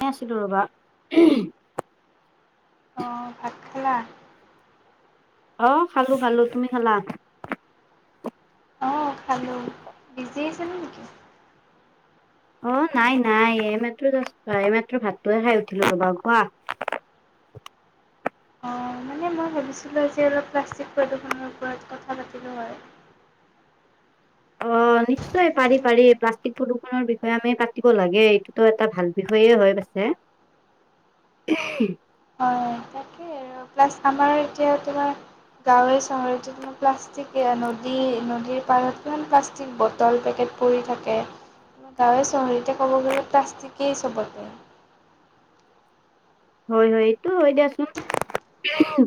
এনেই আছিলো ৰবা অ ভাত খালা? অ খালো খালো তুমি খালা? অ খালো বিজি আছিলে নেকি? অ নাই নাই এইমাত্ৰ এইমাত্ৰ ভাতটোয়ে খাই উঠিলো ৰবা কোৱা, এ মই ভাবিছিলোঁ আজি অলপ প্লাষ্টিক প্ৰদূষণৰ ওপৰত কথা পাতিলোঁ হয় অ অ নিশ্চয় পাৰি পাৰি প্লাষ্টিক প্ৰদূষনৰৰ বিষয়ে আমি পাতিব লাগে এইটোতো এটা ভাল বিষয়ে হয় পিছে [unintelligible] হয় তাকেই আৰু প্লাছ আমাৰ এতিয়া তোমাৰ গাঁৱে চহৰত য প্লাষ্টিক নদী নদীৰ পাৰত কি প্লাষ্টিক বটল পেকেট পৰি থাকে গাঁৱে চহৰতে ক'ব গ'লে প্লাষ্টিকেই চবতে [inaudible] হয় হয় এইটো হয় দিয়াচোন।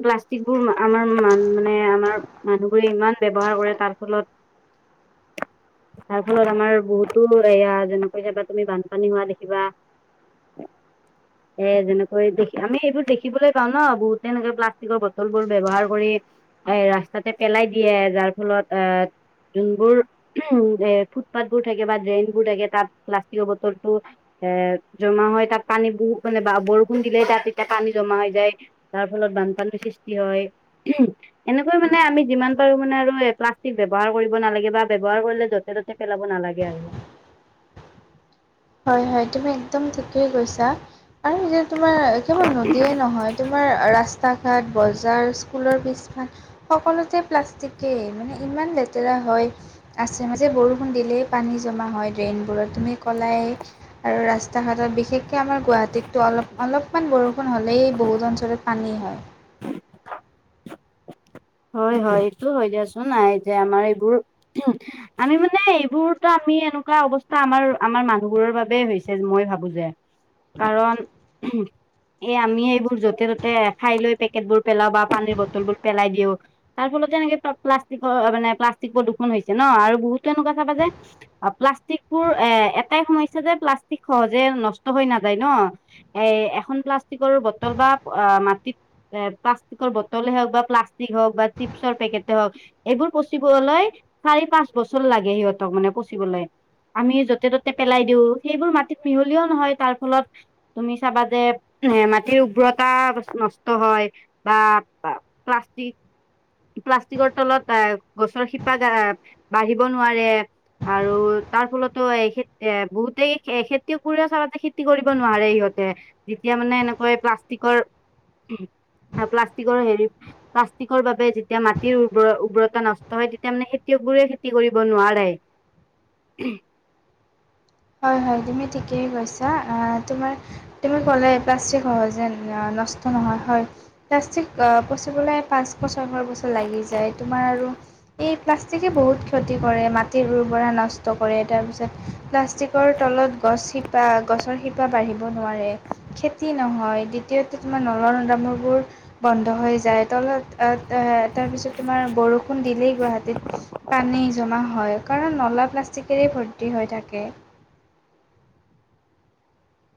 প্লাষ্টিকবোৰ আমাৰ মান মানে আমাৰ মানুহবোৰে ইমান ব্যবহাৰ কৰে তাৰ ফলত [inaudible] তাৰ ফলত আমাৰ বহুতো এয়া যেনেকৈ কেতিযাবা তুমি বানপানী হোৱা দেখিবা, সেই যেনে দে আমি এইবোৰ দেখিবলৈ পাওঁ ন বহুত তেনেকে প্লাষ্টিকৰ বটল বোৰ ব্যৱহাৰ কৰি এ ৰা তাতে পেলাই দিয়ে যাৰ ফলত আহ যোনবোৰ উ এ ফুটপথ বোৰ থাকে বা ড্ৰেইনবোৰ থাকে তাত প্লাষ্টিকৰ বটলটো এ জমা হয় তাত পানী বহুত মানে বৰ ষুণ দিলে তাত এতিয়া পানী জমা হৈ যায় তাৰ ফলত বানপানীৰ সৃষ্টি হয় এনেকুৱা মানে মানে আমি যিমান পাৰো মানে আৰু প্লাষ্টিক ব্যৱহাৰ কৰিব নালাগে বা ব্যবহাৰ কৰিলে য'তে ত'তে পেলাব নালাগে আৰু [inaudible] হয় হয় তুমি একদম ঠিকেই কৈছা আৰু নি তোমাৰ কেৱল নদীয়ে নহয় তোমাৰ ৰাস্তা ৰাস্তা ঘাট বজাৰ স্কুলৰ বিছ সকলোতে প্লাষ্টিকে মানে ইমান লেতেৰা হয় আছে মাজে বৰষুণ দিলেই পানী জমা হয় ড্ৰেইনবোৰত তুমি ক'লাই আৰু ৰাস্তা ঘাটত বিশেষ তে আমাৰ গুৱাহাটীতো অলপ অলপমান বৰষুণ হ'লেই বহুত অঞ্চলত পানী হয়। হয় হয় এইটো হয় দিয়াচোন নাই যে আমাৰ এইবোৰ আমি মানে এইবোৰত আমি এনেকুৱা অৱস্থা আমাৰ আমাৰ মানুহবোৰৰ বাব হৈছে মই ভাবো যে কাৰণ এ আমি এইবোৰ য'তে ত'তে খাই লৈ পেকেট বোৰ পেলাও বা পানীৰ বটল বোৰ পেলাই দিও তাৰ ফলতে এনেকে প্লাষ্টিকৰ মানে প্লাষ্টিক প্ৰদূষণ হৈছে ন আৰু বহুতো এনেকুৱা চাবা যে প্লাষ্টিকবোৰ এ এটাই সমস্যা যে প্লাষ্টিক সহজে নষ্ট হৈ নাযায় ন এ এখন প্লাষ্টিকৰ বটল বা মাটিত প্লাষ্টিকৰ বটলে হক বা প্লা হক বা চিপছৰ পেকেট হওক এইবোৰ পচিবলৈ চাৰি পাঁচ বছৰ লাগে সিহতক মানে পচিবলে আমি য'তে ত'তে পেলাই দিওঁ সেইবোৰ মাটিত মিহলিও নহয় তাৰ ফলত তুমি চাবা যে এ মাটিৰ উৰ্বৰতা নষ্ট হয় বা প্লাষ্টিক প্লাষ্টিকৰ তলত আহ গছৰ শিপা বাঢ়িব নোৱাৰে আৰু তাৰ ফলতো খে এ বহুতে খেতি কৰি চাবাতে খেতি কৰিব নোৱাৰে ইহঁত যেতিয়া মানে এনেকৈ প্লাষ্টিকৰ প্লাষ্টিকৰ হেৰি প্লাষ্টিকৰ বাবে যেতিয়া মাটিৰ উৰৰ উৰ্বৰতা নষ্ট হয় তেতিয়া মানে খেতিয়ক বোৰে খেতি কৰিব নোৱাৰে। [inaudible] হয় হয় তুমি ঠিকেই কৈছা তোমাৰ তুমি ক'লে প্লাষ্টিক সহজে নষ্ট নহয় হয়, পাষ্টিক পচিবলে পাঁচ বছৰ, ছয়শৰ বছৰ লাগি যায় তোমাৰ আৰু এই প্লাষ্টিকে বহুত ক্ষতি কৰে মাটিৰ ৰৰ্ব নষ্ট কৰে তাৰ পিছত প্লাষ্টিক তলত গছ শিপ বা গছৰ শিপা বাঢ়িব নোৱাৰে খেতি নহয় দ্বিতীয়তে তোমাৰ নলা নদামা বোৰ। বন্ধ হৈ যায় তলত তাৰ পিছত তোমাৰ বৰষুণ দিলেই গুৱাহাটীত পানী জমা হয়। কাৰণ নলা প্লাষ্টিকেৰেই ভৰ্তি হৈ থাকে।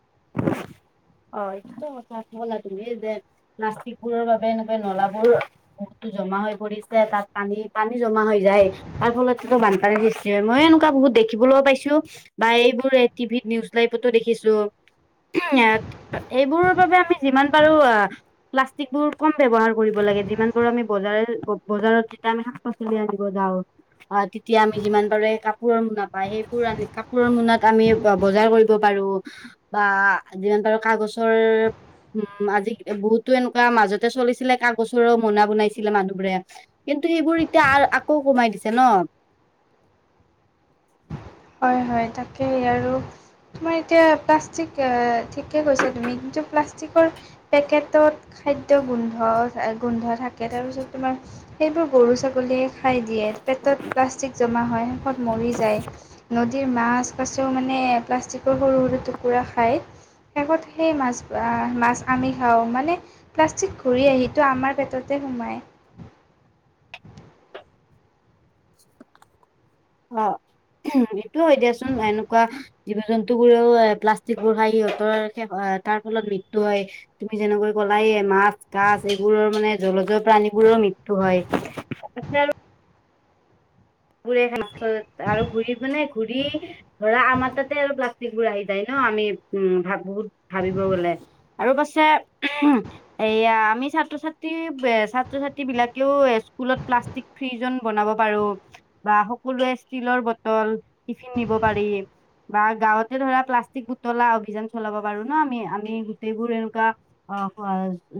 [inaudible] অ এইটো কথা কলা তুমি যে নাচিকবোৰৰ বাবে এনেকুৱা নলাবোৰ জমা হৈ পৰিছে তাত পানী পানী জমা হৈ যায় তাৰ ফলতেতো বানপানীৰ সৃষ্টি হয় মই এনেকুৱা। বহুত দেখিবলৈও পাইছো বা এইবোৰ টিভিত নিউজ লাইভতো দেখিছো। এইবোৰ বাবে আমি যিমান পাৰো অ প্লাষ্টিক বোৰ কম ব্যবহাৰ কৰিব লাগিব লাগে যিমানবোৰ আমি বজাৰ বজাৰত আমি শাকপাচলি আনিব যাওঁ আ তেতিয়া আমি কাপোৰৰ মোনা পায় সেই কাপোৰৰ মোনাত আমি বজাৰ কৰিব পাৰো বা যিমান পাৰো কাগজৰ। উম আজি বহুতো এনেকুৱা মাজতে চলিছিলে কাগজৰো মোনা বনাইছিলে মানুহ বোৰে কিন্তু কিন্তু সেইবোৰ এতিয়া আকৌ কমাই দিছে ন হয় হয় তাকেই আৰু তোমাৰ এতিয়া প্লাষ্টিক ঠিকে কৈছা তুমি কিন্তু প্লাষ্টিকৰ পেকেটত খাদ্য গোন্ধ গোন্ধ থাকে তাৰপিছত তোমাৰ সেইবোৰ গৰু ছাগলীয়ে খাই দিয়ে পেটত প্লাষ্টিক জমা হয় শেষত মৰি যায়। নদীৰ মাছ কাছেও মানে প্লাষ্টিকৰ সৰু সৰু টুকুৰা খায়। শেষত সেই মাছ আহ মাছ আমি খাওঁ মানে প্লাষ্টিক ঘূৰি আহিো আমাৰ পেটতে। সোমায়। [unintelligible] অঁ সটোয় হয় দিয়াচোন এনেকুৱা জীৱ জন্তু বোৰেও এ প্লাষ্টিক বোৰ খাই সিহঁতৰেষ তাৰ ফলত মৃত্যু হয় তুমি যেনেকৈ কলাইে মাছ কাছ এইবোৰৰ মানে জলজ প্ৰাণীবোৰ মৃত্যু হয় আপাৰ। আৰু ঘূৰি মানে ঘূৰি ধৰা আমাৰ তাতে আৰু প্লাষ্টিক বোৰ আহি যায় ন আমি উম ভ বহুত ভাবিব গলে আৰু পাছে এয়া আমি। ছাত্ৰ ছাত্ৰী ছাত্ৰ ছাত্ৰী বিলাকেও স্কুলত প্লাষ্টিক ফ্ৰ্ৰীজ বনাব পাৰো বা সকলোৱে ষ্টীলৰ বটল টিফিন নিব পাৰি। বা গাঁৱতে ধৰা প্লাষ্টিক বুতলা অভিযান চলাব পাৰো ন আমি আমি গোটেইবোৰ এনেকুৱা অ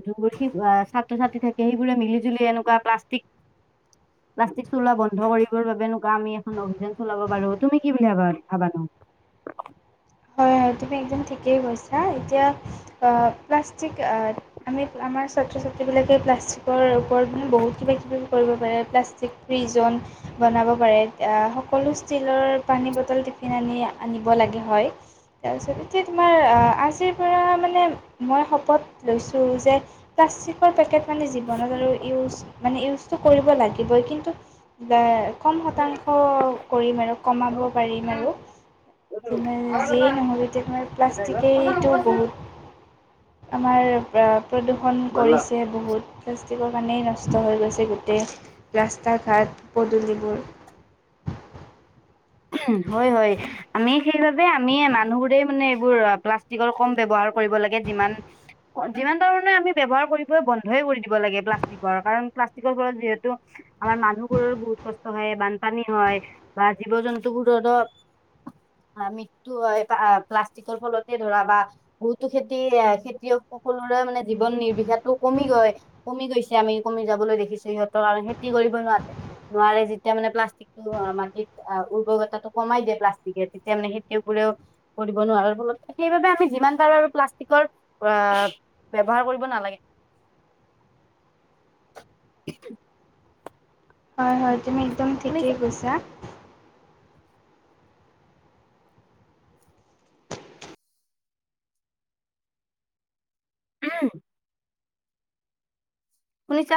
যোৰ ছাত্ৰ ছাত্ৰী থাকে সেইবোৰে মিলি জুলি এনেকুৱা প্লাষ্টিক প্লাষ্টিক চুলা বন্ধ কৰি বাবে আমি এখন অভিযান চলাব পাৰো তুমি কি বুলি ভাবা ভাবানো তুমি একদম ঠিকেই কৈছা এতিয়া প্লাষ্টিক আমি ছাত্ৰ ছাত্ৰীবিলাকে প্লাষ্টিকৰ ওপৰত মানে বহুত কিবা কিবি কৰিব পাৰে প্লাষ্টিক ৰিজন বনাব পাৰে ফিন আনি আনিব লাগে হয় তাৰপিছত এতিয়া তোমাৰ আজিৰ পৰা মানে মই শপত লৈছোঁ যো চিপ্ ৰ পেকেট। মানে জীৱনত আৰু ইউজ মানে ইউজটো কৰিব লাগিবই কিন্তু কম শতাংশ কৰিম আৰু কমাব পাৰিম আৰু যিয়েই নহয় এতিয়া তোমাৰ প্লাষ্টিকেইটো বহুত আমাৰ প্ৰদূষণ কৰিছে বহুত প্লাষ্টিকৰ কাৰণেই নষ্ট হৈ গৈছে গোটেই ৰাস্তা ঘাট পদূলিবোৰ [unintelligible] হয় হয় আমি সেইবাবে আমি মানুহোৰেই মানে এইবোৰ প্লাষ্টিকৰ কম ব ব্যয়ৱহাৰ কৰিব লাগে যিমান যিমান ধৰণে আমি ব্যৱহাৰ কৰি থাই বন্ধয় কৰি দিব লাগে প্লাষ্টিকৰ কাৰণ প্লাষ্টিকৰৰত যিহেতু আমাৰ মানুহবোৰৰো বহুত কষ্ট হয় বানপানী হয় বা জীৱ জন্তু দুুুৰত মৃতু প্লাষ্টিকৰ ফলতে ধৰা বা বহুতো খেতি খেতিয় সকলোৰে মানে জীৱন নিৰ্বিশাটো কমি গৈ কমি গৈছে আমি কমি যাবলৈ দেখিছো সিহঁতক আৰু খেতি কৰিব নোৱাৰে খেতি তাটো কমাই দিয়ে প্লাষ্টিকে তেতিয়া মানে সেইবোৰেও কৰিব নোৱাৰোল সেইবাবে আমি যিমান পাৰো প্লাষ্টিকৰ আহ ব্যৱহাৰৰ কৰিব নালাগে উম হয় হয় তুমি একদম শুনিছা ঠিকেই কৈছা আহ। শনিছা।